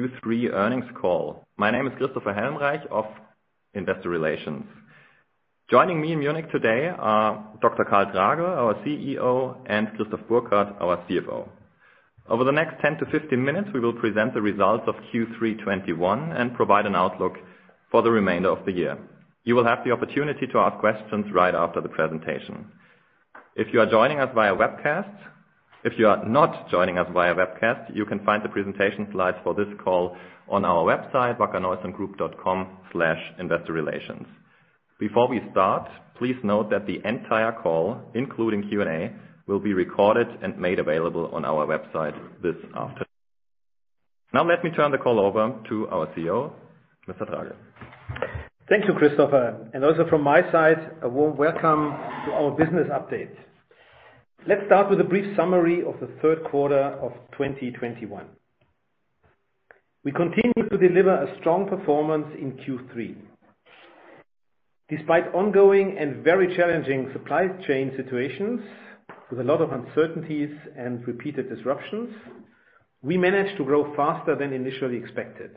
Ladies and gentlemen, welcome to the Wacker Neuson Group's Q3 2021 earnings call. My name is Christopher Helmreich of Investor Relations. Joining me in Munich today are Dr. Karl Tragl, our CEO, and Christoph Burkhard, our CFO. Over the next 10-15 minutes, we will present the results of Q3 2021 and provide an outlook for the remainder of the year. You will have the opportunity to ask questions right after the presentation. If you are not joining us via webcast, you can find the presentation slides for this call on our website, wackerneusongroup.com/investorrelations. Before we start, please note that the entire call, including Q&A, will be recorded and made available on our website this afternoon. Now let me turn the call over to our CEO, Mr. Tragl. Thank you, Christopher. Also from my side, a warm welcome to our business update. Let's start with a brief summary of the third quarter of 2021. We continued to deliver a strong performance in Q3. Despite ongoing and very challenging supply chain situations with a lot of uncertainties and repeated disruptions, we managed to grow faster than initially expected.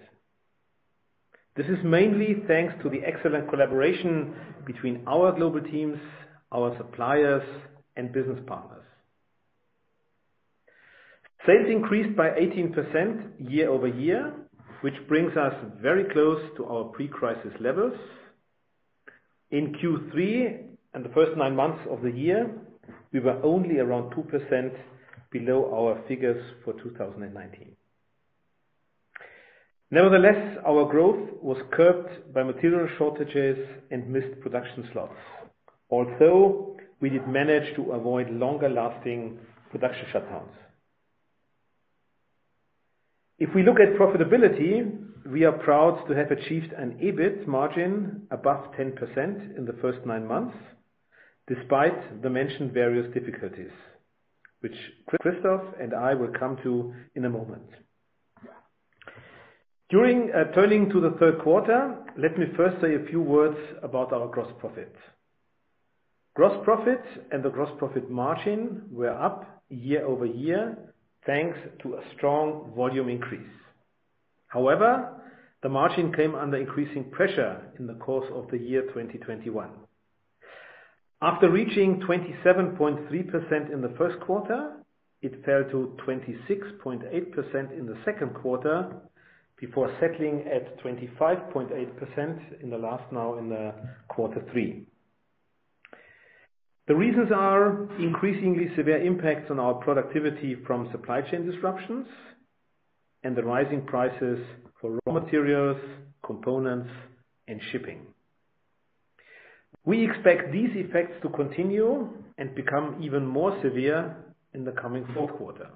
This is mainly thanks to the excellent collaboration between our global teams, our suppliers, and business partners. Sales increased by 18% year-over-year, which brings us very close to our pre-crisis levels. In Q3 and the first nine months of the year, we were only around 2% below our figures for 2019. Nevertheless, our growth was curbed by material shortages and missed production slots. Although we did manage to avoid longer-lasting production shutdowns. If we look at profitability, we are proud to have achieved an EBIT margin above 10% in the first nine months, despite the mentioned various difficulties, which Christoph and I will come to in a moment. Turning to the third quarter, let me first say a few words about our gross profit. Gross profit and the gross profit margin were up year-over-year, thanks to a strong volume increase. However, the margin came under increasing pressure in the course of the year 2021. After reaching 27.3% in the first quarter, it fell to 26.8% in the second quarter before settling at 25.8% in the third quarter. The reasons are increasingly severe impacts on our productivity from supply chain disruptions and the rising prices for raw materials, components, and shipping. We expect these effects to continue and become even more severe in the coming fourth quarter.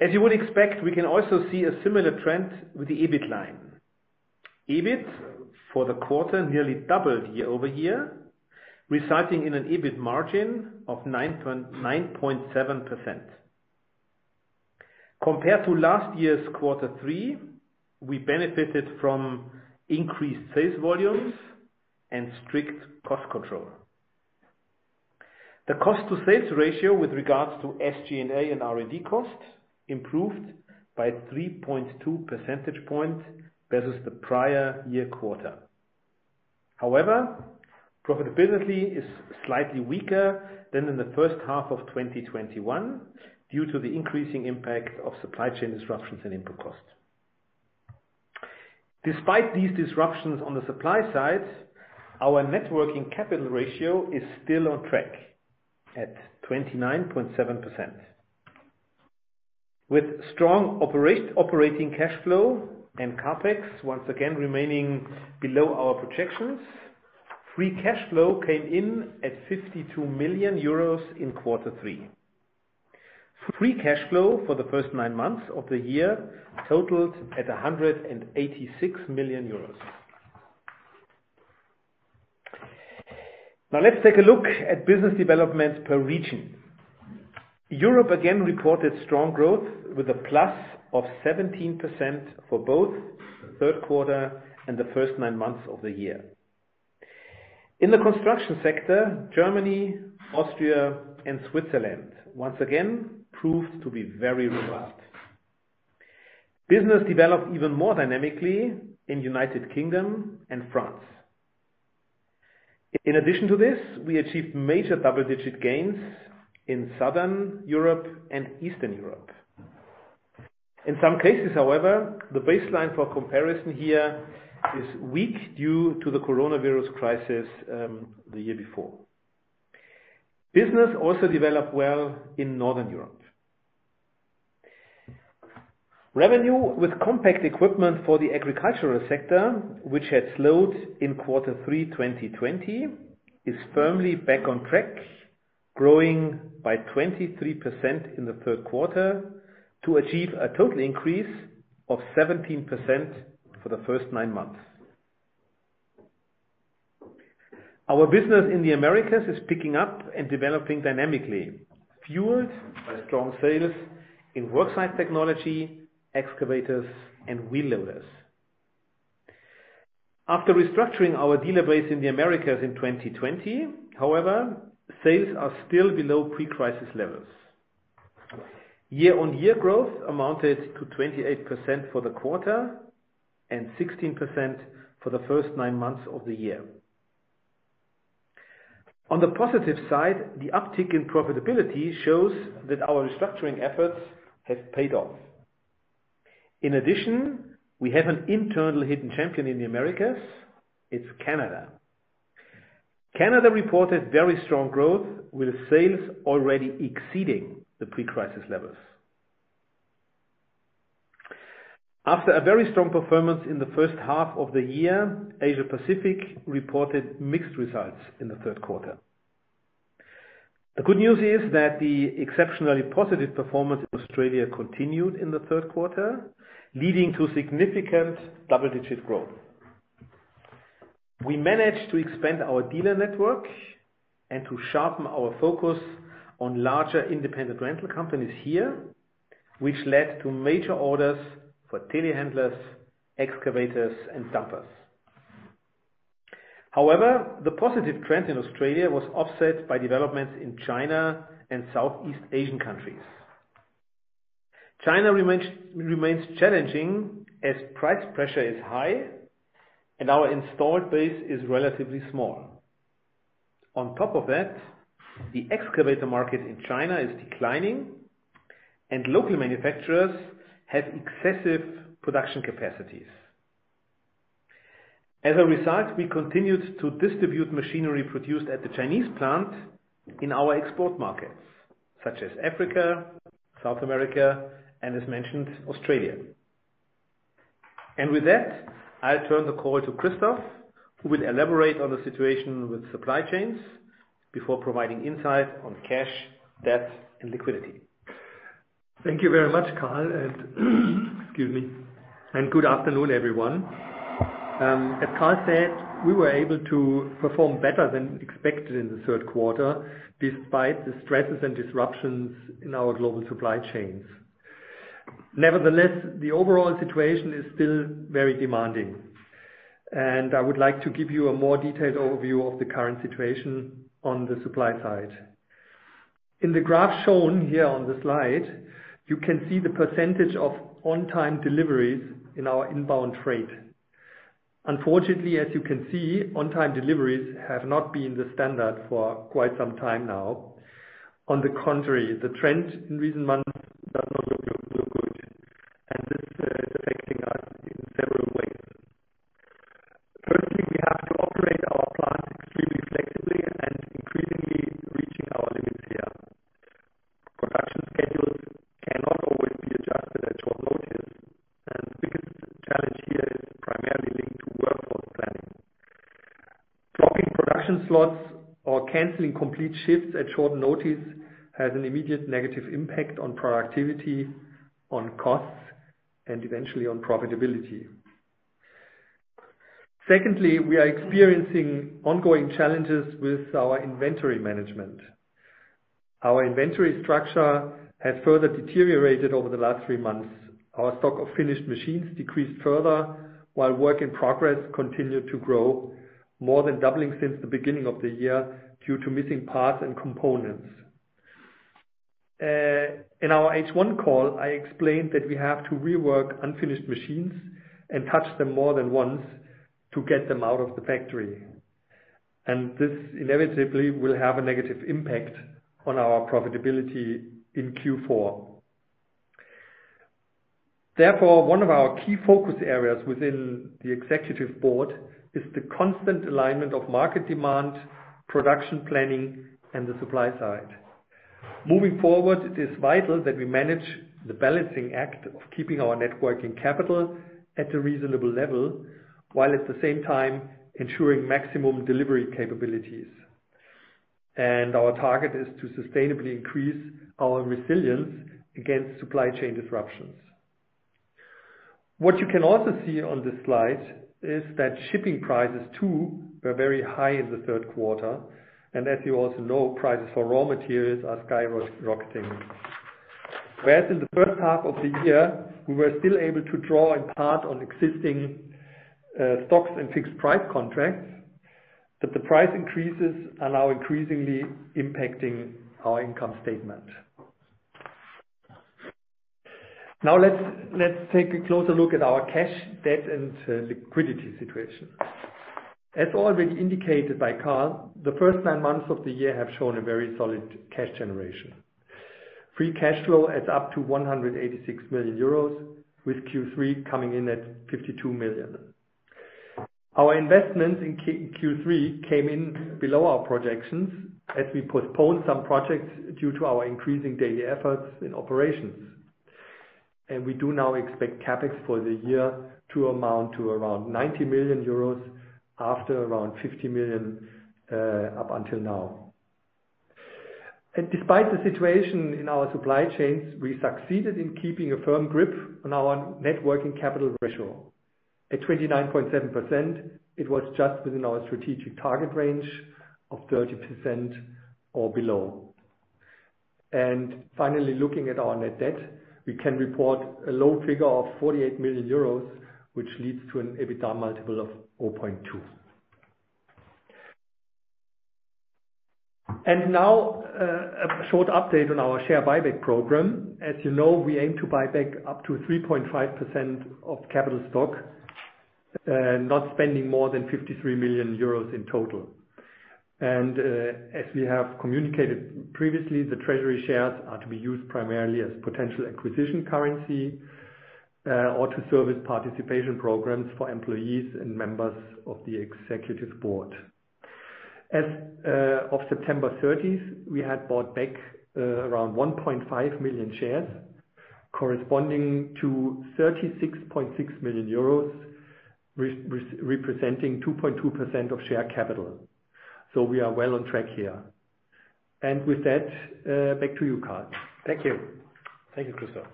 As you would expect, we can also see a similar trend with the EBIT line. EBIT for the quarter nearly doubled year-over-year, resulting in an EBIT margin of 9.7%. Compared to last year's quarter three, we benefited from increased sales volumes and strict cost control. The cost-to-sales ratio with regards to SG&A and R&D costs improved by 3.2% points versus the prior year quarter. However, profitability is slightly weaker than in the H1 of 2021 due to the increasing impact of supply chain disruptions and input costs. Despite these disruptions on the supply side, our net working capital ratio is still on track at 29.7%. With strong operating cash flow and CapEx once again remaining below our projections, free cash flow came in at 52 million euros in quarter three. Free cash flow for the first nine months of the year totaled at 186 million euros. Now let's take a look at business development per region. Europe again reported strong growth with a plus of 17% for both third quarter and the first nine months of the year. In the construction sector, Germany, Austria, and Switzerland once again proved to be very robust. Business developed even more dynamically in United Kingdom and France. In addition to this, we achieved major double-digit gains in Southern Europe and Eastern Europe. In some cases, however, the baseline for comparison here is weak due to the coronavirus crisis, the year before. Business also developed well in Northern Europe. Revenue with compact equipment for the agricultural sector, which had slowed in quarter three 2020, is firmly back on track, growing by 23% in the third quarter to achieve a total increase of 17% for the first nine months. Our business in the Americas is picking up and developing dynamically, fueled by strong sales in worksite technology, excavators, and wheel loaders. After restructuring our dealer base in the Americas in 2020, however, sales are still below pre-crisis levels. Year-on-year growth amounted to 28% for the quarter and 16% for the first nine months of the year. On the positive side, the uptick in profitability shows that our restructuring efforts have paid off. In addition, we have an internal hidden champion in the Americas, it's Canada. Canada reported very strong growth, with sales already exceeding the pre-crisis levels. After a very strong performance in the H1 of the year, Asia-Pacific reported mixed results in the third quarter. The good news is that the exceptionally positive performance in Australia continued in the third quarter, leading to significant double-digit growth. We managed to expand our dealer network and to sharpen our focus on larger independent rental companies here, which led to major orders for telehandlers, excavators, and dumpers. However, the positive trend in Australia was offset by developments in China and Southeast Asian countries. China remains challenging as price pressure is high and our installed base is relatively small. On top of that, the excavator market in China is declining and local manufacturers have excessive production capacities. As a result, we continued to distribute machinery produced at the Chinese plant in our export markets, such as Africa, South America, and as mentioned, Australia. With that, I'll turn the call to Christoph, who will elaborate on the situation with supply chains before providing insight on cash, debt, and liquidity. Thank you very much, Karl, and excuse me, and good afternoon, everyone. As Karl said, we were able to perform better than expected in the third quarter despite the stresses and disruptions in our global supply chains. Nevertheless, the overall situation is still very demanding, and I would like to give you a more detailed overview of the current situation on the supply side. In the graph shown here on the slide, you can see the percentage of on-time deliveries in our inbound freight. Unfortunately, as you can see, on-time deliveries have not been the standard for quite some time now. On the contrary, the trend in recent months does not look good, and this is affecting us in several ways. Firstly, we have to operate our plant extremely flexibly and increasingly reaching our limits here. Production schedules cannot always be adjusted at short notice, and the biggest challenge here is primarily linked to workforce planning. Dropping production slots or canceling complete shifts at short notice has an immediate negative impact on productivity, on costs, and eventually on profitability. Secondly, we are experiencing ongoing challenges with our inventory management. Our inventory structure has further deteriorated over the last three months. Our stock of finished machines decreased further, while work in progress continued to grow, more than doubling since the beginning of the year due to missing parts and components. In our H1 call, I explained that we have to rework unfinished machines and touch them more than once to get them out of the factory, and this inevitably will have a negative impact on our profitability in Q4. Therefore, one of our key focus areas within the executive board is the constant alignment of market demand, production planning, and the supply side. Moving forward, it is vital that we manage the balancing act of keeping our net working capital at a reasonable level, while at the same time ensuring maximum delivery capabilities. Our target is to sustainably increase our resilience against supply chain disruptions. What you can also see on this slide is that shipping prices too were very high in the third quarter. As you also know, prices for raw materials are skyrocketing. Whereas in the H1 of the year, we were still able to draw in part on existing stocks and fixed price contracts, but the price increases are now increasingly impacting our income statement. Now let's take a closer look at our cash, debt, and liquidity situation. As already indicated by Karl, the first nine months of the year have shown a very solid cash generation. Free cash flow adds up to 186 million euros, with Q3 coming in at 52 million. Our investments in Q3 came in below our projections as we postponed some projects due to our increasing daily efforts in operations. We do now expect CapEx for the year to amount to around 90 million euros after around 50 million up until now. Despite the situation in our supply chains, we succeeded in keeping a firm grip on our net working capital ratio. At 29.7%, it was just within our strategic target range of 30% or below. Finally, looking at our net debt, we can report a low figure of 48 million euros, which leads to an EBITDA multiple of 0.2. Now, a short update on our share buyback program. As you know, we aim to buy back up to 3.5% of capital stock, not spending more than 53 million euros in total. As we have communicated previously, the treasury shares are to be used primarily as potential acquisition currency, or to service participation programs for employees and members of the executive board. As of September 30, we had bought back around 1.5 million shares, corresponding to 36.6 million euros, representing 2.2% of share capital. We are well on track here. With that, back to you, Karl. Thank you. Thank you, Christoph.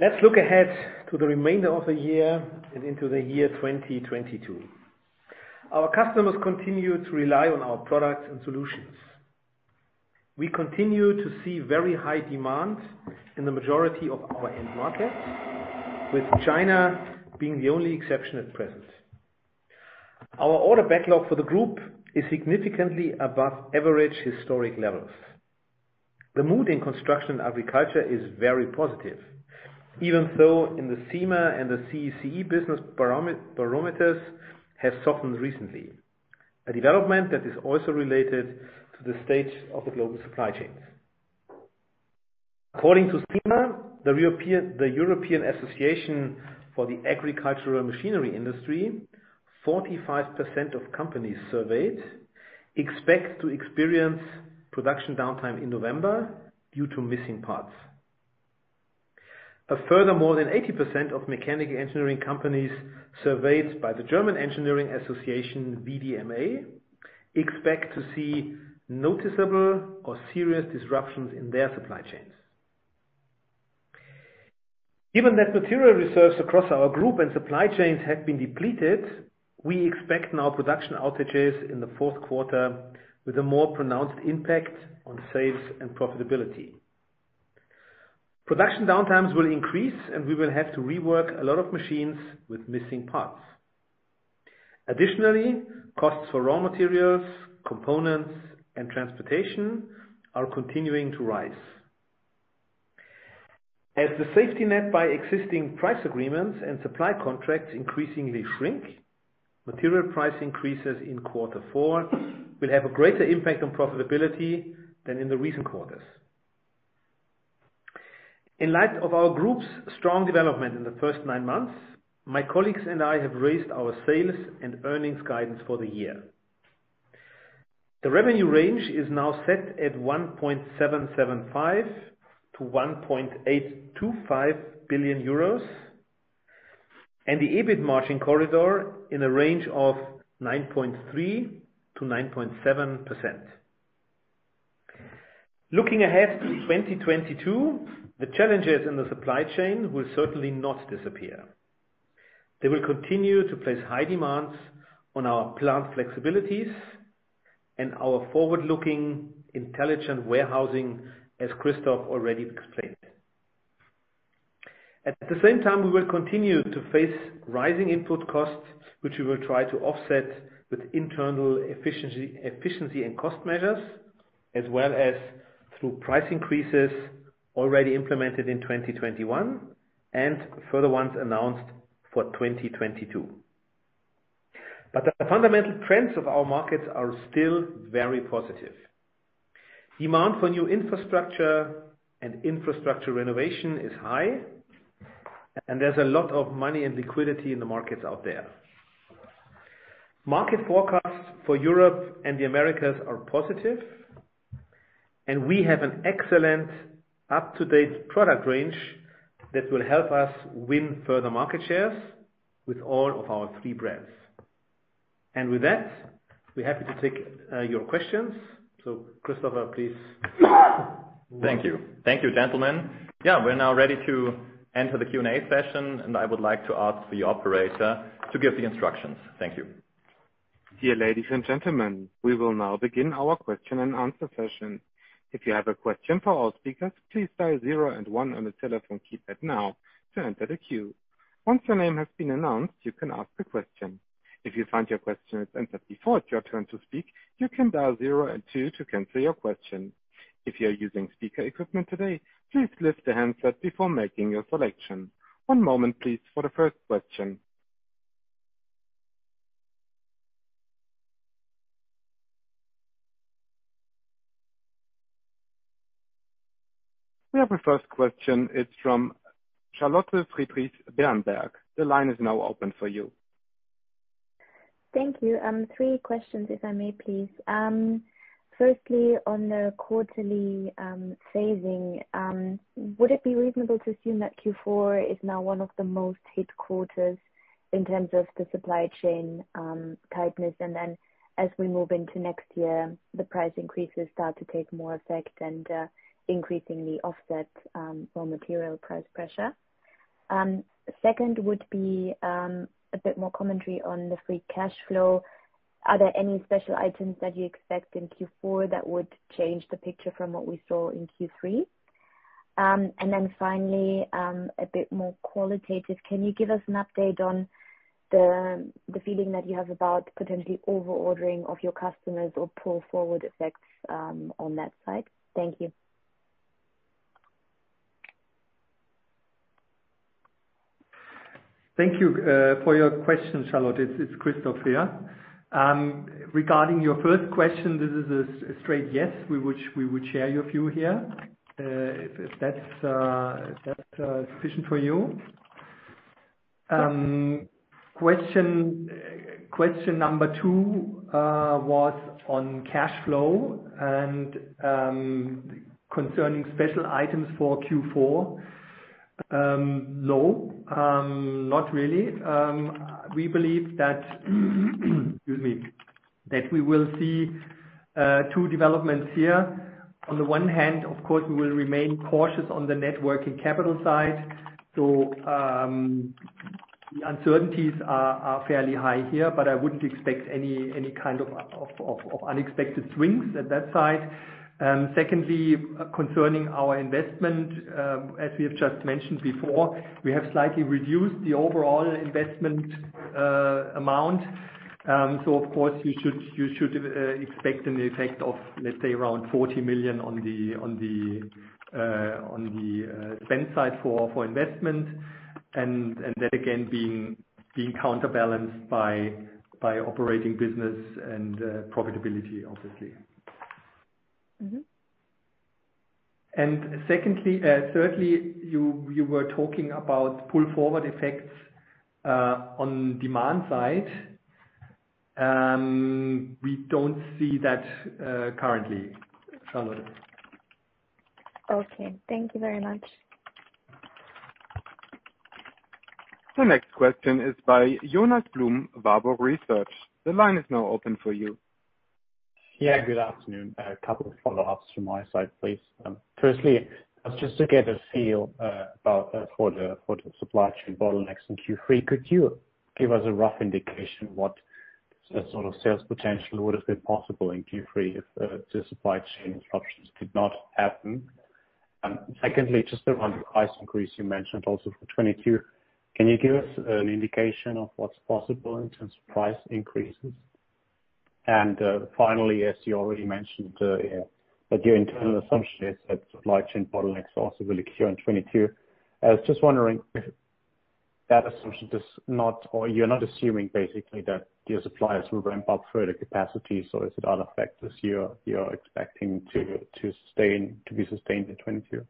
Let's look ahead to the remainder of the year and into the year 2022. Our customers continue to rely on our products and solutions. We continue to see very high demand in the majority of our end markets, with China being the only exception at present. Our order backlog for the group is significantly above average historic levels. The mood in construction agriculture is very positive, even though in the CEMA and the CECE Business Barometers have softened recently. A development that is also related to the state of the global supply chains. According to CEMA, the European Association for the Agricultural Machinery Industry, 45% of companies surveyed expect to experience production downtime in November due to missing parts. A further more than 80% of mechanical engineering companies surveyed by the German Engineering Federation, VDMA, expect to see noticeable or serious disruptions in their supply chains. Given that material reserves across our group and supply chains have been depleted, we expect now production outages in the fourth quarter with a more pronounced impact on sales and profitability. Production downtimes will increase, and we will have to rework a lot of machines with missing parts. Additionally, costs for raw materials, components, and transportation are continuing to rise. As the safety net by existing price agreements and supply contracts increasingly shrink, material price increases in quarter four will have a greater impact on profitability than in the recent quarters. In light of our group's strong development in the first nine months, my colleagues and I have raised our sales and earnings guidance for the year. The revenue range is now set at 1.775 billion-1.825 billion euros, and the EBIT margin corridor in a range of 9.3%-9.7%. Looking ahead to 2022, the challenges in the supply chain will certainly not disappear. They will continue to place high demands on our plant flexibilities and our forward-looking intelligent warehousing, as Christoph already explained. At the same time, we will continue to face rising input costs, which we will try to offset with internal efficiency and cost measures, as well as through price increases already implemented in 2021 and further ones announced for 2022. The fundamental trends of our markets are still very positive. Demand for new infrastructure and infrastructure renovation is high, and there's a lot of money and liquidity in the markets out there. Market forecasts for Europe and the Americas are positive, and we have an excellent up-to-date product range that will help us win further market shares with all of our three brands. With that, we're happy to take your questions. Christoph, please. Thank you. Thank you, gentlemen. Yeah, we're now ready to enter the Q&A session, and I would like to ask the operator to give the instructions. Thank you. Dear ladies and gentlemen, we will now begin our question-and-answer session. If you have a question for our speakers, please dial zero and one on your telephone keypad now to enter the queue. Once your name has been announced, you can ask the question. If you find your question has entered before it's your turn to speak, you can dial zero and two to cancel your question. If you are using speaker equipment today, please lift the handset before making your selection. One moment, please, for the first question. We have a first question. It's from Charlotte Friedrichs. The line is now open for you. Thank you. Three questions if I may, please. Firstly, on the quarterly savings, would it be reasonable to assume that Q4 is now one of the most hit quarters in terms of the supply chain tightness? As we move into next year, the price increases start to take more effect and increasingly offset raw material price pressure. Second would be a bit more commentary on the free cash flow. Are there any special items that you expect in Q4 that would change the picture from what we saw in Q3? Finally, a bit more qualitative. Can you give us an update on the feeling that you have about potentially over-ordering of your customers or pull-forward effects on that side? Thank you. Thank you for your question, Charlotte. It's Christoph here. Regarding your first question, this is a straight yes. We would share your view here. If that's sufficient for you. Question number two was on cash flow and concerning special items for Q4. No, not really. We believe that we will see two developments here. On the one hand, of course, we will remain cautious on the net working capital side. The uncertainties are fairly high here, but I wouldn't expect any kind of unexpected swings at that side. Secondly, concerning our investment, as we have just mentioned before, we have slightly reduced the overall investment amount. Of course you should expect an effect of, let's say, around 40 million on the spend side for investment. That again being counterbalanced by operating business and profitability, obviously. Mm-hmm. Thirdly, you were talking about pull-forward effects on demand side. We don't see that currently, Charlotte. Okay. Thank you very much. The next question is by Jonas Blum, Warburg Research. The line is now open for you. Yeah, good afternoon. A couple of follow-ups from my side, please. Firstly, just to get a feel for the supply chain bottlenecks in Q3, could you give us a rough indication what sort of sales potential would have been possible in Q3 if the supply chain disruptions did not happen? Secondly, just around the price increase you mentioned also for 2022, can you give us an indication of what's possible in terms of price increases? Finally, as you already mentioned, that your internal assumption is that supply chain bottlenecks will also really cure in 2022. I was just wondering if that assumption does not, or you're not assuming basically that your suppliers will ramp up further capacity, so is it all effect this year you're expecting to sustain, to be sustained in 2022?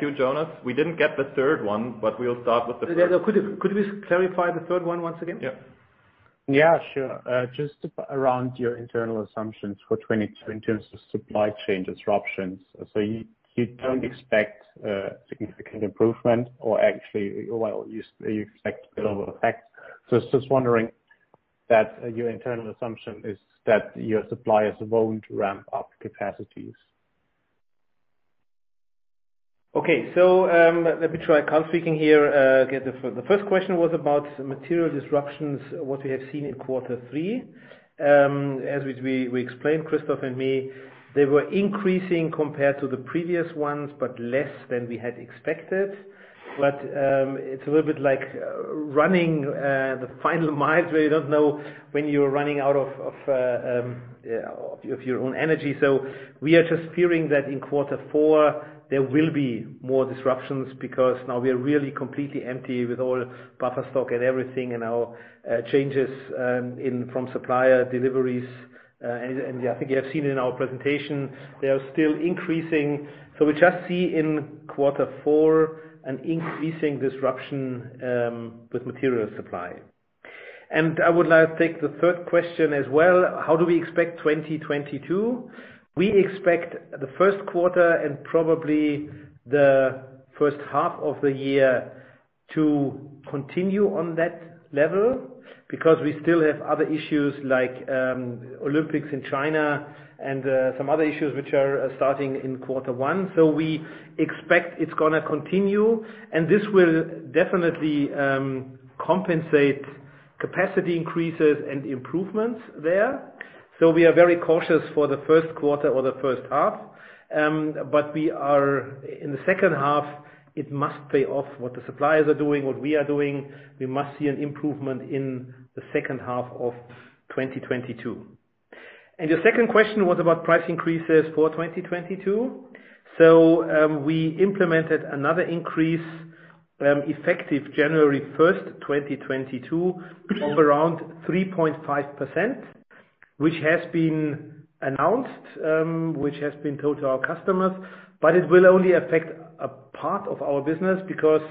Thank you, Jonas. We didn't get the third one, but we'll start with the first. Could we clarify the third one once again? Yeah. Yeah, sure. Just around your internal assumptions for 2022 in terms of supply chain disruptions. You don't expect significant improvement or actually, well, you expect a lower effect. I was just wondering that your internal assumption is that your suppliers won't ramp up capacities. Okay. Let me try. Karl speaking here. Yeah, the first question was about material disruptions, what we have seen in quarter three. As we explained, Christoph and me, they were increasing compared to the previous ones, but less than we had expected. It's a little bit like running the final miles where you don't know when you're running out of your own energy. We are just fearing that in quarter four there will be more disruptions because now we are really completely empty with all buffer stock and everything and our changes in supplier deliveries. I think you have seen in our presentation, they are still increasing. We just see in quarter four an increasing disruption with material supply. I would now take the third question as well. How do we expect 2022? We expect the first quarter and probably the H1 of the year to continue on that level because we still have other issues like Olympics in China and some other issues which are starting in quarter one. We expect it's gonna continue, and this will definitely compensate capacity increases and improvements there. We are very cautious for the first quarter or the H1. In the H2, it must pay off what the suppliers are doing, what we are doing. We must see an improvement in the H2 of 2022. Your second question was about price increases for 2022. We implemented another increase effective January 1, 2022 of around 3.5%, which has been announced, which has been told to our customers, but it will only affect a part of our business because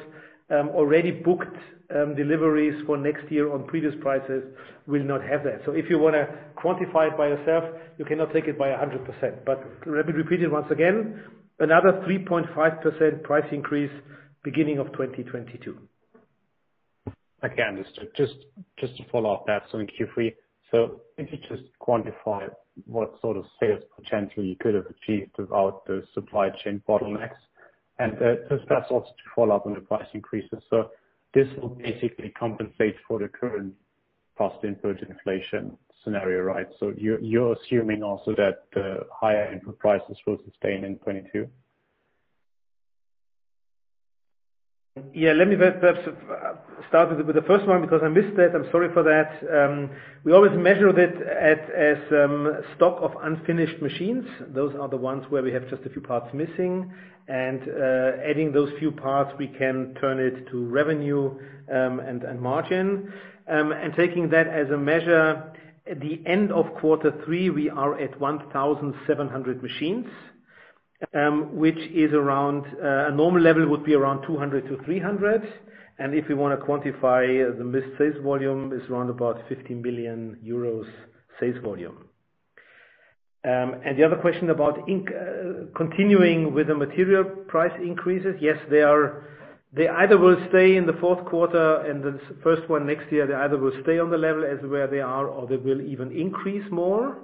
already booked deliveries for next year on previous prices will not have that. If you wanna quantify it by yourself, you cannot take it by 100%. Let me repeat it once again, another 3.5% price increase beginning of 2022. Again, just to follow up that. In Q3, if you just quantify what sort of sales potentially you could have achieved without the supply chain bottlenecks and just, that's also to follow up on the price increases. This will basically compensate for the current cost input inflation scenario, right? You're assuming also that the higher input prices will sustain in 2022. Yeah. Let me perhaps start with the first one because I missed that. I'm sorry for that. We always measured it as stock of unfinished machines. Those are the ones where we have just a few parts missing and adding those few parts, we can turn it to revenue and margin. Taking that as a measure, at the end of quarter three, we are at 1,700 machines, which is around a normal level would be around 200-300. If we wanna quantify the missed sales volume, it is around 50 million euros sales volume. The other question about continuing with the material price increases. Yes, they either will stay in the fourth quarter and the first one next year on the level as where they are or they will even increase more.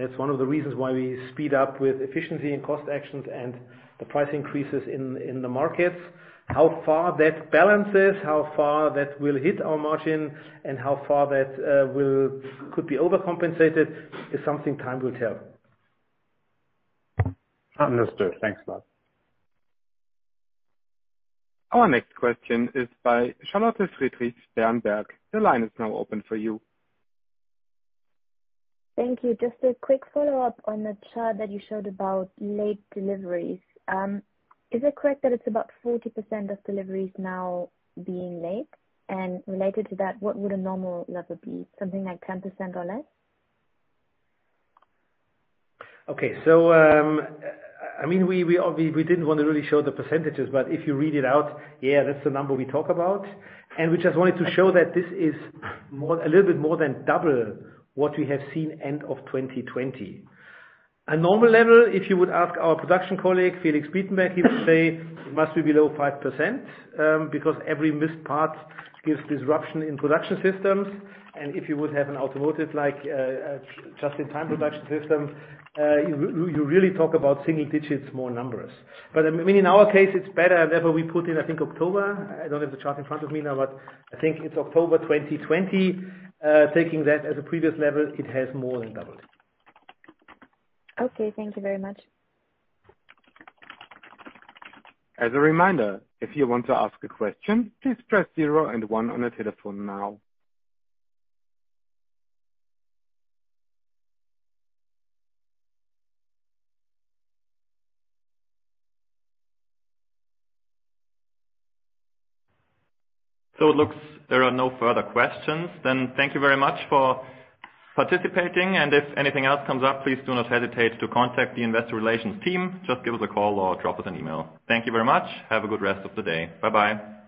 That's one of the reasons why we speed up with efficiency and cost actions and the price increases in the markets. How far that balances, how far that will hit our margin, and how far that could be overcompensated is something time will tell. Understood. Thanks a lot. Our next question is by Charlotte Friedrichs, Berenberg. The line is now open for you. Thank you. Just a quick follow-up on the chart that you showed about late deliveries. Is it correct that it's about 40% of deliveries now being late? Related to that, what would a normal level be? Something like 10% or less? Okay. I mean, we didn't wanna really show the percentages, but if you read it out, yeah, that's the number we talk about. We just wanted to show that this is a little bit more than double what we have seen end of 2020. A normal level, if you would ask our production colleague, Felix Bietenbeck, he would say it must be below 5%, because every missed part gives disruption in production systems. If you would have an automotive-like just-in-time production system, you really talk about single-digit numbers. I mean, in our case it's better. The level we put in, I think, October. I don't have the chart in front of me now, but I think it's October 2020. Taking that as a previous level, it has more than doubled. Okay, thank you very much. As a reminder, if you want to ask a question, please press zero and one on your telephone now. It looks there are no further questions. Thank you very much for participating, and if anything else comes up, please do not hesitate to contact the investor relations team. Just give us a call or drop us an email. Thank you very much. Have a good rest of the day. Bye-bye.